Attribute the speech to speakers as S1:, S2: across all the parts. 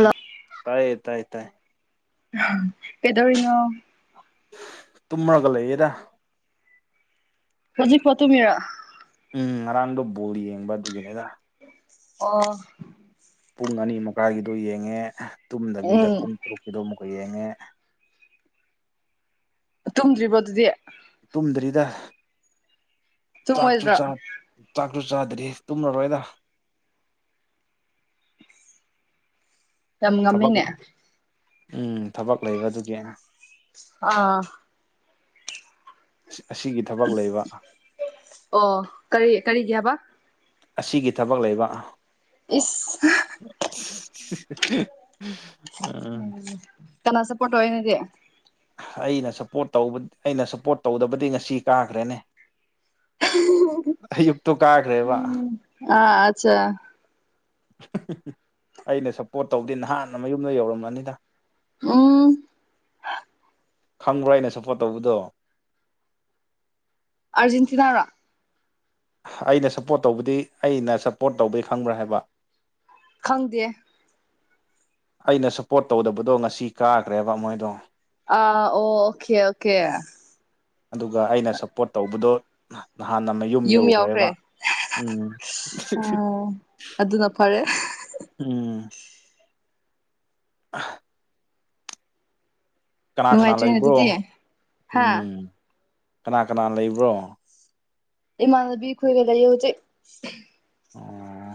S1: ꯎꯝ ꯇꯥꯏ ꯇꯥꯏ ꯇꯥꯏ
S2: ꯀꯦꯗꯧꯔꯤꯅꯣ
S1: ꯇꯨꯝꯃꯒ ꯂꯩꯌꯦꯗꯥ
S2: ꯍꯧꯖꯤꯛ ꯐꯥꯎ ꯇꯨꯃꯤꯔꯣ
S1: ꯎꯝ ꯉꯔꯥꯡꯗꯣ ꯕꯣꯜ ꯌꯦꯡꯕ ꯑꯗꯨꯒꯤꯅꯦꯗ
S2: ꯑꯣ
S1: ꯄꯨꯡ ꯑꯅꯤ ꯃꯈꯥꯏꯒꯤꯗꯣ ꯌꯦꯡꯉꯦ ꯇꯨꯝꯗꯕꯤꯗ
S2: ꯎꯝ
S1: ꯄꯨꯡ ꯇꯔꯨꯛꯀꯤꯗꯣ ꯑꯃꯨꯛꯀ ꯌꯦꯡꯉꯦ
S2: ꯇꯨꯝꯗ꯭ꯔꯤꯕꯣ ꯑꯗꯨꯗꯤ
S1: ꯇꯨꯝꯗ꯭ꯔꯤꯗ ꯆꯥꯛꯁꯨ
S2: ꯇꯨꯝꯃꯣꯏꯗ꯭ꯔꯣ
S1: ꯆꯥ ꯆꯥꯛꯁꯨ ꯆꯥꯗ꯭ꯔꯤ ꯇꯨꯝꯂꯔꯣꯏꯗ
S2: ꯌꯥꯝ
S1: ꯊꯕꯛ
S2: ꯉꯝꯃꯤꯅꯦ
S1: ꯎꯝ ꯊꯕꯛ ꯂꯩꯕꯗꯨꯒꯤ ꯑꯩꯅ
S2: ꯑꯥ
S1: ꯁꯤ ꯑꯁꯤꯒꯤ ꯊꯕꯛ ꯂꯩꯕ
S2: ꯑꯣ ꯀꯔꯤ ꯀꯔꯤꯒꯤ ꯍꯥꯏꯕ
S1: ꯑꯁꯤꯒꯤ ꯊꯕꯛ ꯂꯩꯕ
S2: ꯏꯁ
S1: ꯑꯥ [unintelligible]
S2: ꯀꯅꯥ ꯁꯄꯣꯔꯠ ꯇꯧꯌꯦ ꯅꯪꯗꯤ
S1: ꯑꯩꯅ ꯁꯞꯄꯣꯔꯠ ꯇꯧꯕ ꯑꯩꯅ ꯁꯞꯄꯣꯔꯠ ꯇꯧꯗꯕꯗꯤ ꯉꯁꯤ ꯀꯥꯈ꯭ꯔꯦꯅꯦ ꯑꯌꯨꯛꯇꯣ ꯀꯥꯈ꯭ꯔꯦꯕ
S2: ꯑꯥ ꯑꯆꯥ
S1: ꯍꯤꯍꯤ ꯑꯩꯅ ꯁꯞꯄꯣꯔꯠ ꯇꯧꯕꯗꯤ ꯅꯍꯥꯟꯅ ꯃꯌꯨꯝꯗ ꯌꯧꯔꯝꯃꯅꯤꯗ
S2: ꯎꯝ ꯍꯥ
S1: ꯈꯪꯕ꯭ꯔꯥ ꯑꯩꯅ ꯁꯞꯄꯣꯔꯠ ꯇꯧꯕꯗꯣ
S2: ꯑꯔꯖꯦꯟꯇꯤꯅꯥꯔꯥ
S1: ꯑꯩꯅ ꯁꯞꯄꯣꯔꯠ ꯇꯧꯕꯗꯤ ꯑꯩꯅ ꯁꯞꯄꯣꯔꯠ ꯇꯧꯕꯩ ꯈꯪꯕ꯭ꯔꯥ ꯍꯥꯏꯕ
S2: ꯈꯪꯗꯦ
S1: ꯑꯩꯅ ꯁꯞꯄꯣꯔꯠ ꯇꯧꯗꯕꯗꯣ ꯉꯁꯤ ꯀꯥꯈ꯭ꯔꯦꯕ ꯃꯣꯏꯗꯣ
S2: ꯑ ꯑꯣ ꯑꯣꯀꯦ ꯑꯣꯀꯦ
S1: ꯑꯗꯨꯒ ꯑꯩꯅ ꯁꯞꯄꯣꯔꯠ ꯇꯧꯕꯗꯣ ꯅꯍꯥꯟꯅ ꯃꯌꯨꯝ
S2: ꯌꯨꯝ ꯌꯧꯈ꯭ꯔꯦ
S1: ꯌꯧꯈ꯭ꯔꯦꯕ ꯎꯝ
S2: ꯑꯥ ꯑꯗꯨꯅ ꯐꯔꯦ
S1: ꯎꯝ ꯑ ꯀꯅꯥ ꯀꯅꯥ
S2: ꯅꯨꯡꯉꯥꯏꯇ꯭ꯔꯦꯅꯦ
S1: ꯂꯩꯕ꯭ꯔꯣ
S2: ꯑꯗꯨꯗꯤ ꯍꯥ
S1: ꯎꯝ ꯀꯅꯥ ꯀꯅꯥ ꯂꯩꯕ꯭ꯔꯣ
S2: ꯏꯃꯥꯅꯕꯤ ꯈꯣꯏꯒ ꯂꯩꯑꯦ ꯍꯧꯖꯤꯛ
S1: ꯑꯣ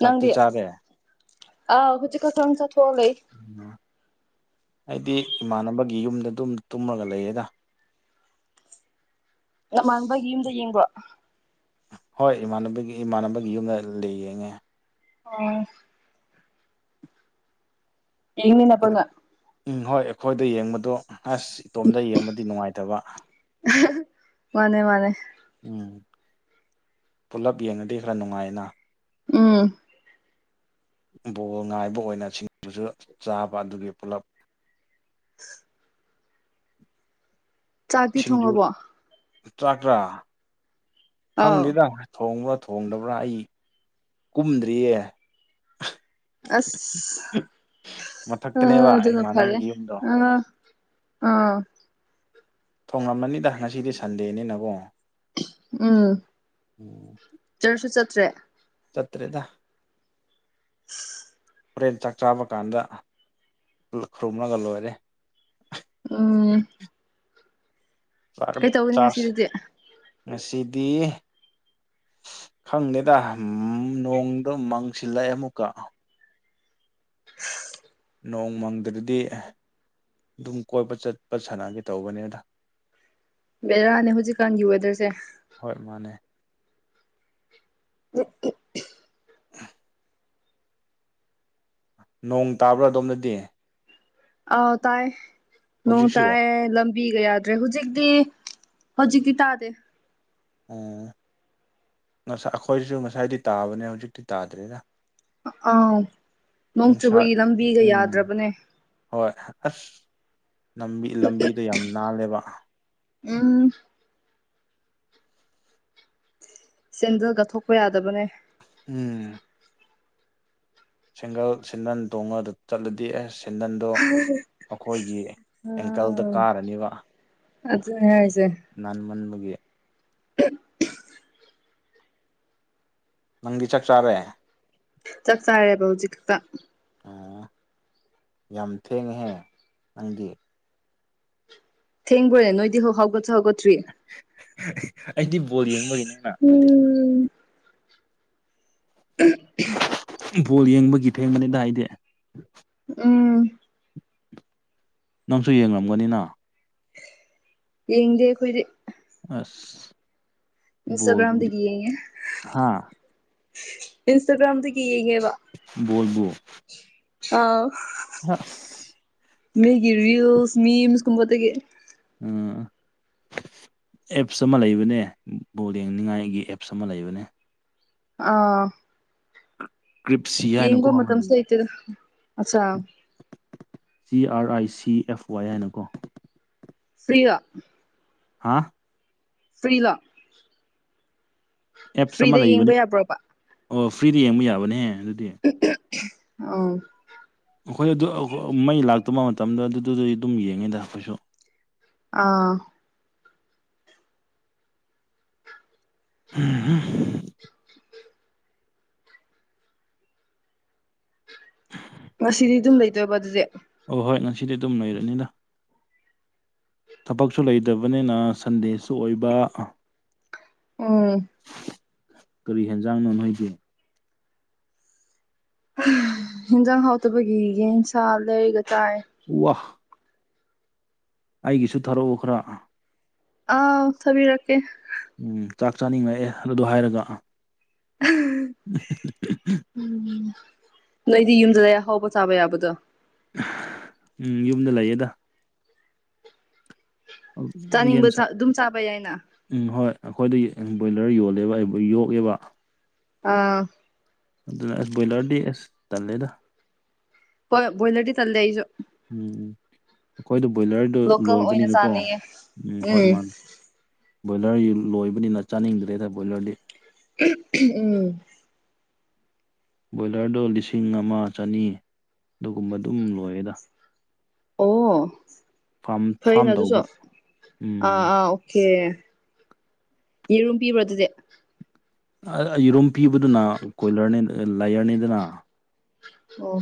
S1: ꯆꯥꯛꯇꯤ
S2: ꯅꯪꯗꯤ
S1: ꯆꯥꯔꯦ
S2: ꯑ ꯍꯨꯆꯤꯛ ꯈꯛꯇꯪ ꯆꯠꯊꯣꯛꯑ ꯂꯩ
S1: ꯎꯝ ꯑꯩꯗꯤ ꯏꯃꯥꯟꯅꯕꯒꯤ ꯌꯨꯝꯗ ꯑꯗꯨꯝ ꯇꯨꯝꯃꯒ ꯂꯩꯌꯦꯗ
S2: ꯅꯃꯥꯟꯅꯕꯒꯤ ꯌꯨꯝꯗ ꯌꯦꯡꯕꯣ
S1: ꯍꯣꯏ ꯏꯃꯥꯟꯅꯕꯒꯤ ꯏꯃꯥꯟꯅꯕꯒꯤ ꯌꯨꯝꯗ ꯂꯩ ꯌꯦꯡꯉꯦ
S2: ꯑꯣ ꯌꯦꯟꯅꯕ ꯅꯣꯏ
S1: ꯎꯝ ꯍꯣꯏ ꯑꯩꯈꯣꯏꯗ ꯌꯦꯡꯕꯗꯣ ꯑꯁ ꯏꯇꯣꯝꯗ ꯌꯦꯡꯕꯗꯤ ꯅꯨꯡꯉꯥꯏꯇꯕ
S2: ꯑ [inaudible] ꯃꯥꯅꯦ ꯃꯥꯅꯦ
S1: ꯎꯝ ꯄꯨꯜꯂꯞ ꯌꯦꯡꯉꯗꯤ ꯈꯔ ꯅꯨꯡꯉꯥꯏꯅ
S2: ꯎꯝ
S1: ꯕꯣꯜ ꯉꯥꯏꯕ ꯑꯣꯏꯅ ꯁꯤꯡꯖꯨꯁꯨ ꯆꯥꯕ ꯑꯗꯨꯒꯤ ꯄꯨꯂꯞ
S2: [inaudible] ꯆꯥꯛꯇꯤ ꯊꯣꯡꯉꯕꯣ
S1: ꯆꯥꯛꯔꯥ
S2: ꯑꯥꯎ
S1: ꯈꯪꯗꯦꯗ ꯊꯣꯡꯕ꯭ꯔꯥ ꯊꯣꯡꯗꯕ꯭ꯔꯥ ꯑꯩ ꯀꯨꯝꯗ꯭ꯔꯤꯌꯦ
S2: ꯑꯁ ꯑ
S1: ꯃꯊꯛꯇꯅꯦꯕ
S2: ꯑꯗꯨꯅ ꯐꯔꯦ
S1: ꯏꯃꯥꯟꯅꯕꯒꯤ ꯌꯨꯝꯗꯣ
S2: ꯑ ꯑꯥ
S1: ꯊꯣꯡꯉꯝꯃꯅꯤꯗ ꯉꯁꯤꯗꯤ ꯁꯟꯗꯦꯅꯤꯅꯀꯣ
S2: ꯎꯝ ꯆꯔꯁꯁꯨ ꯆꯠꯇ꯭ꯔꯦ
S1: ꯆꯠꯇꯔ꯭ꯦ ꯗ
S2: [inaudible]
S1: ꯍꯣꯔꯦꯟ ꯆꯥꯛ ꯆꯥꯕ ꯀꯥꯟꯗ ꯈꯨꯔꯨꯝꯂꯒ ꯂꯣꯏꯔꯦ
S2: ꯎꯝ
S1: ꯆꯥꯛ
S2: ꯀꯩꯇꯧꯒꯅꯤ
S1: ꯆꯥꯁꯦ
S2: ꯉꯁꯤꯗꯨꯗꯤ
S1: ꯉꯁꯤꯗꯤ [unintelligible] ꯈꯪꯗꯦꯗ ꯅꯣꯡꯗꯣ ꯃꯥꯡꯁꯤꯜꯂꯛꯑꯦ ꯑꯃꯨꯛꯀ
S2: [inaudible]
S1: ꯅꯣꯡ ꯃꯪꯗ꯭ꯔꯗꯤ ꯑꯗꯨꯝ ꯀꯣꯏꯄ ꯆꯠꯄ ꯁꯥꯟꯅꯒꯦ ꯇꯧꯕꯅꯦꯗ
S2: ꯕꯦꯔꯥꯅꯦ ꯍꯧꯖꯤꯛꯀꯥꯟꯒꯤ ꯋꯦꯗꯔꯁꯦ
S1: ꯍꯣꯏ ꯃꯥꯅꯦ
S2: [inaudible]
S1: ꯅꯣꯡ ꯇꯥꯕ꯭ꯔꯥ ꯑꯗꯣꯝꯗꯗꯤ
S2: ꯑ ꯇꯥꯏꯑꯦ ꯅꯣꯡ
S1: ꯍꯧꯖꯤꯛꯁꯨ
S2: ꯇꯥꯏꯑꯦ ꯂꯝ ꯕꯤꯒ ꯌꯥꯗ꯭ꯔꯦ ꯍꯧꯖꯤꯛꯇꯤ ꯍꯧꯖꯤꯛꯇꯤ ꯇꯥꯗꯦ
S1: ꯑꯣ ꯉꯁꯥꯏ ꯑꯩꯈꯣꯏꯁꯨ ꯉꯁꯥꯏꯗꯤ ꯇꯥꯕꯅꯦ ꯍꯧꯖꯤꯛꯇꯤ ꯇꯥꯗ꯭ꯔꯦꯗ
S2: ꯑꯥꯎ ꯅꯣꯡ
S1: ꯅꯨꯡꯁꯥ
S2: ꯆꯨꯕꯒꯤ ꯂꯝꯕꯤꯒ
S1: ꯎꯝ
S2: ꯌꯥꯗ꯭ꯔꯕꯅꯦ
S1: ꯍꯣꯏ ꯑꯁ ꯂꯝꯕꯤ ꯂꯝꯕꯤꯗꯣ ꯌꯥꯝ ꯅꯥꯜꯂꯦꯕ
S2: ꯎꯝ ꯆꯦꯟꯗꯜꯒ ꯊꯣꯛꯄ ꯌꯥꯗꯕꯅꯦ
S1: ꯎꯝ ꯁꯤꯡꯒꯜ ꯁꯤꯗꯟ ꯇꯣꯡꯉꯗ ꯆꯠꯂꯗꯤ ꯑꯦꯁ ꯆꯦꯟꯗꯟꯗꯣ ꯑꯩꯈꯣꯏꯒꯤ ꯑꯦꯡꯀꯜꯗ
S2: ꯑꯥ
S1: ꯀꯥꯔꯅꯤꯕ
S2: ꯑꯗꯨꯅꯦ ꯍꯥꯏꯁꯦ
S1: ꯅꯟꯃꯟꯕꯒꯤ ꯅꯪꯗꯤ ꯆꯥꯛ ꯆꯥꯔꯦ
S2: ꯆꯥꯛ ꯆꯥꯔꯦꯕ ꯍꯧꯖꯤꯛ ꯈꯛꯇ
S1: ꯑꯣ ꯌꯥꯝ ꯊꯦꯡꯉꯍꯦ ꯅꯪꯒꯤꯠ
S2: ꯊꯦꯡꯕꯨꯣꯏꯦ ꯅꯣꯏꯗꯤ ꯍ ꯍꯣꯣꯏ ꯍꯒꯣꯇ꯭ꯔꯤ
S1: ꯑꯩꯗꯤ ꯕꯣꯜ ꯌꯦꯡꯕꯒꯤꯅꯦꯅ ꯑꯗꯨꯗꯤ
S2: ꯎꯝ ꯎꯝ
S1: ꯕꯣꯜ ꯌꯦꯡꯕꯒꯤ ꯊꯦꯡꯕꯅꯤꯗ ꯍꯥꯏꯗꯤ
S2: ꯎꯝ
S1: ꯅꯪꯁꯨ ꯌꯦꯡꯂꯝꯒꯅꯤꯅ
S2: ꯌꯦꯡꯗꯦ ꯑꯩꯈꯣꯏꯗꯤ
S1: ꯑꯁ
S2: ꯏꯟꯁꯇꯥꯒ꯭ꯔꯥꯝꯗꯤ
S1: ꯕꯣꯜꯕꯨꯗꯤ
S2: ꯀ ꯌꯦꯒꯦ
S1: ꯍꯥ
S2: ꯏꯟꯁꯇꯥꯒ꯭ꯔꯥꯝꯗꯤ ꯀꯌꯦꯒꯦ ꯋꯥ
S1: [unintelligible]
S2: ꯑꯥꯎ
S1: ꯑ
S2: ꯃꯤ ꯒꯤꯔꯕꯤꯌꯨꯁ ꯃꯤ ꯃꯤꯁ ꯀꯨꯨꯝꯄꯇꯒꯤ
S1: ꯎꯝ ꯑꯦꯞꯁ ꯑꯃ ꯂꯩꯕꯅꯦ ꯂꯦꯡꯅꯤꯉꯥꯏꯒꯤ ꯑꯦꯞꯁ ꯑꯃ ꯂꯩꯕꯅꯦ
S2: ꯑꯥ
S1: ꯀ꯭ꯔꯤꯞꯁꯤ ꯍꯥꯏꯅꯀꯣ
S2: ꯌꯦꯡꯕ
S1: ꯑꯃꯅꯤ
S2: ꯃꯇꯝꯁꯨ ꯂꯩꯇꯦꯗ ꯑꯠꯆꯥ
S1: C R I C F ꯋꯥꯏ ꯍꯥꯏꯅꯀꯣ
S2: ꯐꯔꯤꯒ
S1: ꯍꯥꯥ
S2: ꯐꯔꯤꯂꯥ
S1: ꯑꯦꯞꯁ ꯑꯃ ꯂꯩꯕꯅꯦ ꯑꯣ ꯐ꯭ꯔꯤꯗ ꯌꯦꯡꯕ ꯌꯥꯕꯅꯦꯍꯦ ꯑꯗꯨꯗꯤ
S2: ꯑ
S1: ꯑꯩꯈꯣꯏ ꯑꯗꯨ ꯃꯩ ꯂꯥꯛꯇꯕ ꯃꯇꯝꯗ ꯑꯗꯨꯗꯨꯗꯤ ꯑꯗꯨꯝ ꯌꯦꯡꯉꯦꯗ ꯑꯩꯈꯣꯏꯁꯨ
S2: ꯑꯥ
S1: ꯍꯥ
S2: ꯉꯁꯤꯗꯤ ꯑꯗꯨꯝ ꯂꯩꯇꯣꯏꯕ ꯑꯗꯨꯗꯤꯦ
S1: ꯑꯣ ꯍꯣꯏ ꯉꯁꯤꯗꯤ ꯑꯗꯨꯝ ꯂꯩꯔꯅꯤꯗ ꯊꯕꯛꯁꯨ ꯂꯩꯇꯕꯅꯤꯅ ꯁꯟꯗꯦꯁꯨ ꯑꯣꯏꯕ
S2: ꯎꯝ
S1: ꯀꯔꯤ ꯍꯦꯟꯖꯥꯡꯅꯣ ꯅꯣꯏꯗꯦ
S2: ꯌꯦꯟꯖꯥꯡ ꯍꯥꯎꯇꯕꯒꯤ ꯌꯦꯟꯁꯥ ꯂꯩꯔꯒ ꯇꯥꯏ
S1: ꯋꯥꯍ ꯑꯩꯒꯤꯁꯨ ꯊꯥꯔꯛꯎ ꯈꯔ
S2: ꯑꯥ ꯊꯕꯤꯔꯀꯦ
S1: ꯎꯝ ꯆꯥꯛ ꯆꯥꯅꯤꯡꯉꯛꯑꯦ ꯑꯗꯨꯗꯣ ꯍꯥꯏꯔꯒ ꯑꯥ
S2: ꯎꯝ
S1: ꯎ
S2: ꯎꯝ ꯅꯣꯏꯗꯤ ꯌꯨꯝꯗꯗ ꯑꯍꯥꯎꯕ ꯆꯥꯕ ꯌꯥꯕꯗꯣ
S1: ꯎꯝ ꯌꯨꯝꯗ ꯂꯩꯌꯦꯗ ꯌꯦꯟ
S2: ꯆꯥꯅꯤꯡꯕ
S1: ꯁ
S2: ꯑꯗꯨꯝ ꯆꯥꯕ ꯌꯥꯏꯅ
S1: ꯎꯝ ꯍꯣꯏ ꯑꯩꯈꯣꯏꯗ ꯕꯣꯏꯂꯔ ꯌꯣꯜꯂꯦꯕ ꯑꯩ ꯌꯣꯛꯑꯦꯕ
S2: ꯑꯥ
S1: ꯑꯗꯨꯅ ꯑꯁ ꯕꯣꯏꯂꯔꯗꯤ ꯑꯁ ꯇꯜꯂꯦꯗ
S2: ꯣꯏ ꯕꯣꯏꯂꯔꯗꯤ ꯇꯜꯗꯦ ꯑꯩꯁꯨꯣ
S1: ꯎꯝ ꯑꯩꯈꯣꯏꯗ ꯕꯣꯏꯂꯔꯗꯨ
S2: ꯂꯣꯀꯦꯜ ꯑꯣꯏꯅ
S1: ꯂꯣꯏꯕꯅꯤꯅꯀꯣ
S2: ꯆꯥꯅꯤꯡꯉꯦ
S1: ꯎꯝ ꯍꯣꯏ ꯃꯥꯅꯦ ꯕꯣꯏꯂꯔ ꯂꯣꯏꯕꯅꯤꯅ ꯆꯥꯅꯤꯡꯗ꯭ꯔꯦꯇꯥ ꯕꯣꯏꯂꯔꯗꯤ
S2: ꯎꯝ
S1: ꯕꯣꯏꯂꯔꯗꯣ ꯂꯤꯁꯤꯡ ꯑꯃ ꯆꯅꯤ ꯑꯗꯨꯒꯨꯝꯕ ꯑꯗꯨꯝ ꯂꯣꯏꯌꯦꯦꯗ
S2: ꯑꯣ
S1: ꯐꯥꯝ
S2: ꯐꯩꯅꯦ
S1: ꯐꯥꯝ
S2: ꯑꯗꯨꯁꯨ
S1: ꯇꯧꯕ
S2: ꯑꯥ
S1: ꯎꯝ
S2: ꯑꯥ ꯑꯣꯀꯦ ꯌꯦꯔꯨꯝ ꯄꯤꯕ꯭ꯔꯣ ꯑꯗꯨꯗꯤ
S1: ꯑꯩꯔꯨꯝꯝ ꯄꯤꯕꯗꯨꯅ ꯀꯣꯏꯂꯔꯅꯤ ꯂꯥꯏꯌꯔꯅꯤꯗꯅ
S2: ꯑꯣ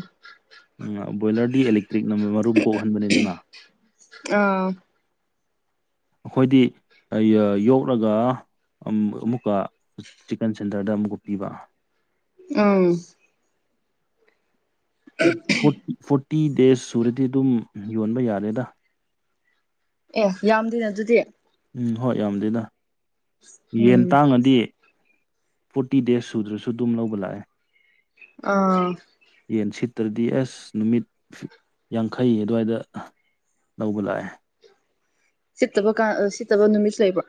S1: ꯕꯣꯏꯂꯔꯗꯤ ꯑꯦꯂꯦꯛꯇ꯭ꯔꯤꯛ ꯃꯔꯨꯝ ꯀꯣꯛꯍꯟꯕꯅꯤꯗꯅ
S2: ꯑꯥ
S1: [unintelligible] ꯑꯩꯈꯣꯏꯗꯤ ꯌꯣꯛꯂꯒ ꯑꯃꯨꯛꯀ ꯆꯤꯛꯀꯟ ꯁꯦꯟꯇꯔꯗ ꯑꯃꯨꯛꯀ ꯄꯤꯕ
S2: ꯎꯝ
S1: ꯐꯣꯔꯇꯤ ꯗꯦꯖ ꯁꯨꯔꯗꯤ ꯑꯗꯨꯝ ꯌꯣꯟꯕ ꯌꯥꯔꯦꯗ
S2: ꯑꯦ ꯌꯥꯝꯗꯦꯅꯦ ꯑꯗꯨꯗꯤ
S1: ꯎꯝ ꯍꯣꯏ ꯌꯥꯝꯗꯦꯗ ꯌꯦꯟ
S2: ꯎꯝ
S1: ꯇꯥꯡꯉꯗꯤ ꯐꯣꯔꯇꯤ ꯗꯦꯖ ꯁꯨꯗ꯭ꯔꯁꯨ ꯑꯗꯨꯝ ꯂꯧꯕ ꯂꯥꯛꯑꯦ
S2: ꯑꯥ
S1: ꯌꯦꯟ ꯁꯤꯠꯇ꯭ꯔꯗꯤ ꯑꯦꯁ ꯅꯨꯃꯤꯠ ꯌꯥꯡꯈꯩ ꯑꯗꯨꯋꯥꯏꯗ ꯂꯧꯕ ꯂꯥꯛꯑꯦ
S2: ꯁꯤꯠꯇꯕ ꯀ ꯁꯤꯠꯇꯕ ꯅꯨꯃꯤꯠ ꯂꯩꯕ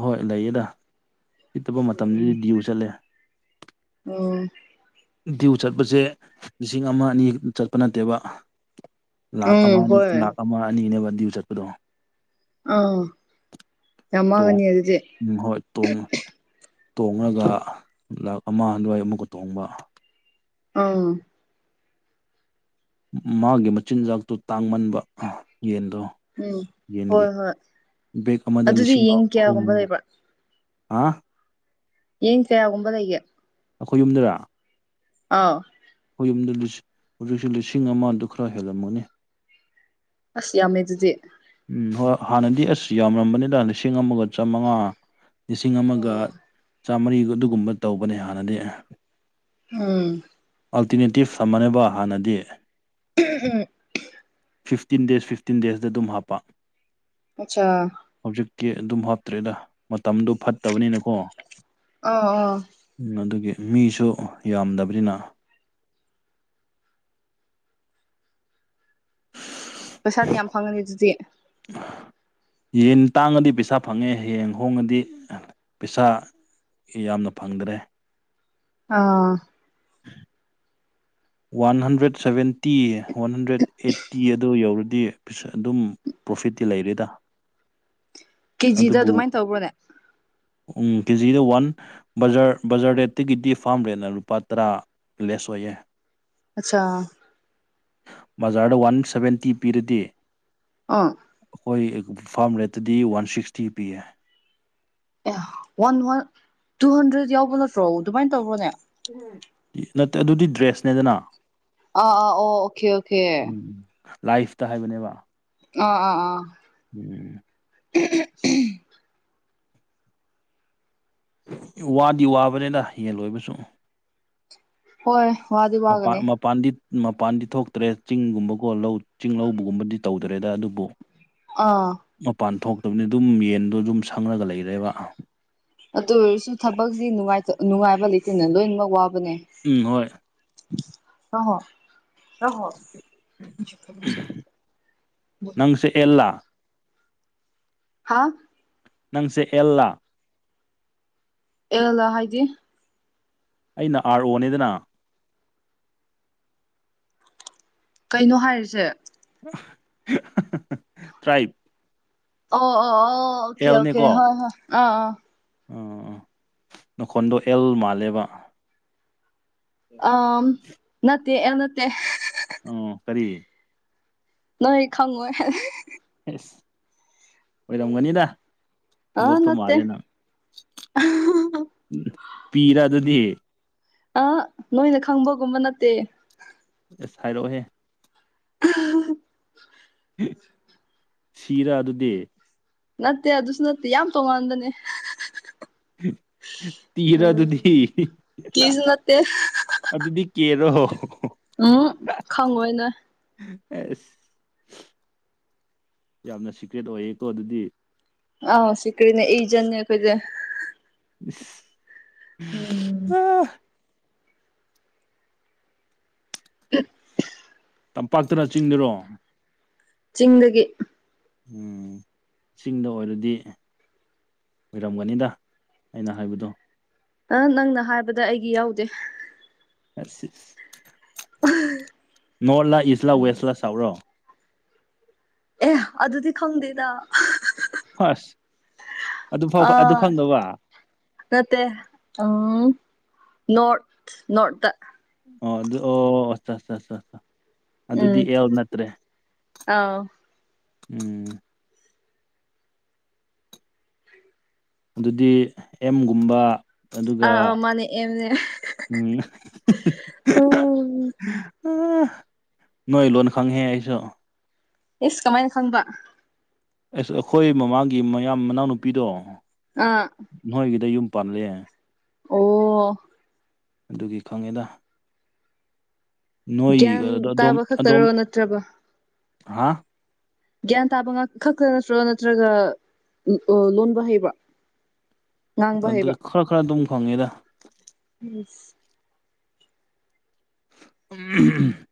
S1: ꯍꯣꯏ ꯂꯩꯌꯦꯗ ꯁꯤꯠꯇꯕ ꯃꯇꯝꯗꯗꯤ ꯗ꯭ꯌꯨ ꯆꯠꯂꯦ
S2: ꯑꯣ
S1: ꯗ꯭ꯌꯨ ꯆꯠꯄꯁꯦ ꯂꯤꯁꯤꯡ ꯑꯃ ꯑꯅꯤ ꯆꯠꯄ ꯅꯠꯇꯦꯕ ꯂꯥꯛꯈ
S2: ꯎꯝ
S1: ꯑꯃꯅꯤ
S2: ꯍꯣꯏ
S1: ꯂꯥꯛꯈ ꯑꯃ ꯑꯅꯤꯅꯦꯕ ꯗ꯭ꯌꯨ ꯆꯠꯄꯗꯣ
S2: ꯑꯥ ꯌꯥꯝ
S1: ꯇꯣꯡ
S2: ꯃꯥꯡꯒꯅꯤ ꯑꯗꯨꯗꯤ
S1: ꯎꯝ ꯍꯣꯏ ꯇꯣꯡ ꯇꯣꯡꯔꯒ ꯂꯥꯛ ꯑꯃ ꯑꯗꯨꯋꯥꯏ ꯑꯃꯨꯛꯀ ꯇꯣꯡꯕ
S2: ꯑꯪ
S1: ꯃꯥꯒꯤ ꯃꯆꯤꯟꯖꯥꯛꯇꯨ ꯇꯥꯡꯃꯟꯕ ꯌꯦꯟꯗꯣ
S2: ꯎꯝ
S1: ꯌꯦꯟꯒꯤ
S2: ꯍꯣꯏ ꯍꯣꯏ
S1: ꯕꯦꯛ ꯑꯃꯗ
S2: ꯑꯗꯨꯗꯤ
S1: ꯂꯤꯁꯤꯡ
S2: ꯌꯦꯟ
S1: ꯑꯍꯨꯝ
S2: ꯀꯌꯥꯒꯨꯝꯕ ꯂꯩꯕ꯭ꯔꯥ
S1: ꯑꯥ
S2: ꯌꯦꯟ ꯀꯌꯥꯒꯨꯝꯕ ꯂꯩꯒꯦ
S1: ꯑꯈꯣꯏ ꯌꯨꯝꯗꯔꯥ
S2: ꯑꯧ
S1: ꯑꯈꯣꯏ ꯌꯨꯝꯗ ꯍꯧꯖꯤꯛꯁꯨ ꯂꯤꯁꯤꯡ ꯑꯃꯗꯨ ꯈꯔ ꯍꯦꯜꯂꯝꯒꯅꯤ
S2: ꯑꯁ ꯌꯥꯝꯃꯦ ꯑꯗꯨꯗꯤ
S1: ꯎꯝ ꯍꯣꯏ ꯍꯥꯟꯅꯗꯤ ꯑꯁ ꯌꯥꯝꯔꯝꯕꯅꯤꯗ ꯂꯤꯁꯤꯡ ꯑꯃꯒ ꯆꯃꯉꯥ ꯂꯤꯁꯤꯡ ꯑꯃꯒ ꯆꯥꯝꯃꯔꯤꯒ ꯑꯗꯨꯒꯨꯝꯕ ꯇꯧꯕꯅꯦ ꯍꯥꯟꯅꯗꯤ
S2: ꯎꯝ
S1: ꯑꯜꯇꯤꯅꯦꯇꯤꯞ ꯊꯝꯕꯅꯦꯕ ꯍꯥꯟꯅꯗꯤ
S2: ꯎꯝ
S1: ꯐꯤꯐꯇꯤꯟ ꯗꯦꯖ ꯐꯤꯐꯇꯤꯟ ꯗꯦꯖꯇ ꯑꯗꯨꯝ ꯍꯥꯞꯄ
S2: ꯑꯆꯥ
S1: ꯍꯧꯖꯤꯛꯤ ꯑꯗꯨꯝ ꯍꯥꯞꯇ꯭ꯔꯦꯗ ꯃꯇꯝꯗꯣ ꯐꯠꯇꯕꯅꯤꯅꯀꯣ
S2: ꯑꯣ ꯑꯣ
S1: ꯎ ꯑꯗꯨꯒꯤ ꯃꯤꯁꯨ ꯌꯥꯝꯗꯕꯅꯤꯅ
S2: ꯄꯩꯁꯥꯗꯤ ꯌꯥꯝ ꯐꯪꯉꯅꯤ ꯑꯗꯨꯗꯤ
S1: ꯌꯦꯟ ꯇꯥꯡꯉꯗꯤ ꯄꯩꯁꯥ ꯐꯪꯉꯦ ꯌꯦꯟ ꯍꯣꯡꯉꯗꯤ ꯄꯩꯁꯥ ꯌꯥꯝꯅ ꯐꯪꯗ꯭ꯔꯦ
S2: ꯑꯥ
S1: one hundred seventy one hundred eighty ꯑꯗꯨ ꯌꯧꯔꯗꯤ ꯑꯗꯨꯝ ꯄ꯭ꯔꯣꯐꯤꯠꯇꯤ ꯂꯩꯔꯦꯗ
S2: ꯀꯦꯖꯤꯗ
S1: ꯑꯗꯨꯕꯨ
S2: ꯑꯗꯨꯃꯥꯏꯅ ꯇꯧꯕ꯭ꯔꯣꯅꯦ
S1: ꯎꯝ ꯀꯦꯖꯤꯗ ꯋꯥꯟ ꯕꯖꯥꯔ ꯕꯖꯥꯔ ꯔꯦꯠꯇꯒꯤꯗꯤ ꯐꯥꯝ ꯔꯦꯠꯅ ꯂꯨꯄꯥ ꯇꯔꯥ ꯂꯦꯁ ꯑꯣꯏꯌꯦ
S2: ꯑꯆꯥ
S1: ꯕꯖꯥꯔꯗ ꯋꯥꯟ ꯁꯕꯦꯟꯇꯤ ꯄꯤꯔꯗꯤ
S2: ꯑꯥ
S1: ꯑꯩꯈꯣꯏ ꯐꯥꯝ ꯔꯦꯠꯇꯗꯤ ꯋꯥꯟ ꯁꯤꯛꯁꯇꯤ ꯄꯤꯌꯦ
S2: ꯑꯦ ꯋꯥꯟ ꯋꯥꯟ ꯇꯨ ꯍꯟꯗ꯭ꯔꯦꯗ ꯌꯥꯎꯕ ꯅꯠꯇ꯭ꯔꯣ ꯑꯗꯨꯃꯥꯏꯅ ꯇꯧꯕ꯭ꯔꯣꯅꯦ
S1: ꯅꯠꯇꯦ ꯑꯗꯨꯗꯤ ꯗ꯭ꯔꯦꯁꯅꯦꯗꯅ
S2: ꯑꯥ ꯑꯥ ꯑꯣ ꯑꯣꯀꯦ ꯑꯣꯀꯦ
S1: ꯎꯝ ꯂꯥꯏꯐꯇ ꯍꯥꯏꯕꯅꯦꯕ
S2: ꯑ ꯑꯥ ꯑꯥ
S1: ꯎꯝ
S2: [unintelligible]
S1: ꯋꯥꯗꯤ ꯋꯥꯕꯅꯦꯗ ꯌꯦꯟ ꯂꯣꯏꯕꯁꯨ
S2: ꯍꯣꯏ ꯋꯥꯗꯤ ꯋꯥꯒꯅꯤ
S1: ꯃ ꯄꯥꯟꯗꯤ ꯃꯄꯥꯟꯗꯤ ꯊꯣꯛꯇ꯭ꯔꯦ ꯆꯤꯡꯒꯨꯝꯕꯀꯣ ꯂꯧ ꯆꯤꯡ ꯂꯧꯕꯒꯨꯝꯕꯗꯤ ꯇꯧꯗ꯭ꯔꯦꯗ ꯑꯗꯨꯕꯨ
S2: ꯑꯥ
S1: ꯃꯄꯥꯟ ꯊꯣꯛꯇꯕꯅꯤ ꯑꯗꯨꯝ ꯌꯦꯟꯗꯣ ꯑꯗꯨꯝ ꯁꯪꯉꯒ ꯂꯩꯔꯦꯕ
S2: ꯑꯗꯨ ꯑꯣꯏꯔꯁꯨ ꯊꯕꯛꯁꯤ ꯅꯨꯡꯉꯥꯏꯕ ꯂꯩꯇꯦꯅ ꯂꯣꯏꯅꯃꯛ ꯋꯥꯕꯅꯦ
S1: ꯎꯝ ꯍꯣꯏ
S2: ꯑꯣ ꯑꯣ
S1: ꯅꯪꯁꯦ ꯑꯦꯜꯂꯥ
S2: ꯍꯥꯥ
S1: ꯅꯪꯁꯦ ꯑꯦꯜꯂꯥ
S2: ꯑꯦꯂ ꯍꯥꯏꯗꯤ
S1: ꯑꯩꯅ ꯑꯥꯔ ꯑꯣꯅꯦꯗꯅ
S2: ꯀꯩꯅꯣ ꯍꯥꯏꯔꯤꯁꯦ
S1: ꯇ꯭ꯔꯥꯏꯕ
S2: ꯑꯣ ꯑꯣ ꯑꯣ ꯑꯣꯀꯦ ꯑꯣꯀꯦ ꯍ ꯍ ꯑ ꯑ
S1: ꯑ ꯅꯈꯣꯟꯗꯣ ꯑꯦꯜ ꯃꯥꯜꯂꯦꯕ
S2: ꯑ ꯅꯠꯇꯦ ꯅꯠꯇꯦ
S1: ꯑꯣ ꯀꯔꯤ
S2: ꯅꯣꯏ ꯈꯪꯉꯣꯏ
S1: ꯌꯦꯁ ꯑꯣꯏꯔꯝꯒꯅꯤꯗ
S2: ꯑ
S1: ꯂꯣꯠꯇꯧ
S2: ꯅꯠꯇꯦ
S1: ꯃꯥꯜꯂꯦ ꯅꯪ ꯎ ꯄꯤꯔ ꯑꯗꯨꯗꯤ
S2: ꯑ ꯅꯣꯏꯅ ꯈꯪꯕꯒꯨꯝꯕ ꯅꯠꯇꯦ
S1: ꯑꯁ ꯍꯥꯏꯔꯛꯑꯣꯍꯦ ꯁꯤꯔꯥ ꯑꯗꯨꯗꯤ
S2: ꯅꯠꯇꯦ ꯑꯗꯨꯁꯨ ꯅꯠꯇꯦ ꯌꯥꯝ ꯇꯣꯉꯥꯟꯗꯅꯦ
S1: ꯇꯤꯔ ꯑꯗꯨꯗꯤ
S2: ꯀꯤꯁꯨ ꯅꯠꯇꯦ
S1: ꯑꯗꯨꯗꯤ ꯀꯦꯔꯣ
S2: ꯎꯝ ꯈꯪꯉꯣꯏꯅꯦ
S1: ꯑꯁ ꯌꯥꯝꯅ ꯁꯤꯀ꯭ꯔꯦꯠ ꯑꯣꯏꯌꯦꯀꯣ ꯑꯗꯨꯗꯤ
S2: ꯑ ꯁꯤꯀꯔꯤꯅꯦ ꯑꯩꯖꯦ ꯀꯈꯦ
S1: [inaudible]
S2: ꯎꯝ [inaudible]
S1: ꯇꯝꯄꯥꯛꯇꯅ ꯆꯤꯡꯗꯨꯔꯣ
S2: ꯆꯤꯡꯗꯒꯤ
S1: ꯎ ꯆꯤꯡꯗ ꯑꯣꯏꯔꯗꯤ ꯑꯣꯏꯔꯝꯒꯅꯤꯗ ꯑꯩꯅ ꯍꯥꯏꯕꯗꯣ
S2: ꯑ ꯅꯪꯅ ꯍꯥꯏꯕꯗ ꯑꯩꯒꯤ ꯌꯥꯎꯗꯦ
S1: ꯑ ꯅꯣꯔꯠꯂꯥ ꯏꯁꯂꯥ ꯋꯦꯁꯂꯥ ꯁꯥꯎꯔꯣ
S2: ꯑꯦ ꯑꯗꯨꯗꯤ ꯈꯪꯗꯦꯗ
S1: ꯍꯣꯏꯁ
S2: ꯑꯥ ꯃꯠꯇꯦ ꯎꯝ ꯅꯣꯔꯠ ꯅꯣꯔꯠ
S1: ꯑꯣ ꯑꯣ ꯑꯆꯥ ꯑꯆꯥ ꯑꯗꯨꯗꯤ
S2: ꯎꯝ
S1: ꯑꯦꯜ ꯅꯠꯇ꯭ꯔꯦ
S2: ꯑꯥꯎ
S1: ꯎꯝ ꯑꯗꯨꯗꯤ ꯑꯦꯝꯒꯨꯝꯕ ꯑꯗꯨꯒ
S2: ꯑꯥ ꯑꯥ ꯃꯥꯅꯦ ꯑꯦꯝꯅꯦ
S1: ꯎꯝ
S2: ꯎꯝ
S1: ꯎ ꯅꯣꯏ ꯂꯣꯟ ꯈꯪꯍꯦ ꯑꯩꯁꯨ
S2: ꯑꯦ ꯀꯃꯥꯏꯅ ꯈꯪꯕ
S1: ꯑꯁ ꯑꯩꯈꯣꯏ ꯃꯃꯥꯡꯒꯤ ꯃꯌꯥꯝ ꯃꯅꯥꯎꯅꯨꯄꯤꯗꯣ
S2: ꯑꯥ
S1: ꯅꯣꯏꯒꯤꯗ ꯌꯨꯝ ꯄꯥꯜꯂꯦ
S2: ꯑꯣ
S1: ꯑꯗꯨꯒꯤ ꯈꯪꯉꯤꯗ
S2: ꯒ꯭ꯌꯥꯟ
S1: ꯅꯣꯏꯒꯤꯒ ꯑꯗꯣꯝ
S2: ꯇꯥꯕ
S1: ꯑꯗꯣꯝ
S2: ꯈꯛꯇꯔꯣ ꯅꯠꯇ꯭ꯔꯕ
S1: ꯍꯥ
S2: ꯒ꯭ꯌꯥꯟ ꯇꯥꯕ ꯈꯛꯇ ꯅꯠꯇ꯭ꯔꯣ ꯅꯠꯇ꯭ꯔꯒ ꯂꯣꯟꯕ ꯍꯩꯕ꯭ꯔꯣ
S1: ꯑꯗꯨ ꯈꯔ ꯈꯔ ꯑꯗꯨꯝ ꯈꯪꯉꯦꯗ
S2: ꯏꯁ
S1: [unintelligible]